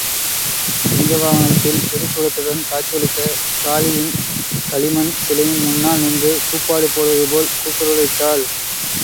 சிங்க வாகனத்தில் திரிசூலத்துடன் காட்சியளித்த காளியின் களிமண் சிலையின் முன்னால் நின்று கூப்பாடு போடுவதுபோல் கூக்குரலிட்டாள்.